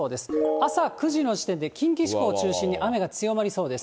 朝９時の時点で、近畿地方を中心に雨が強まりそうです。